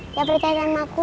dia percaya sama aku